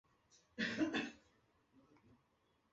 唐迪人口变化图示